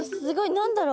何だろう。